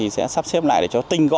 sẽ sắp xếp lại để cho tinh gọn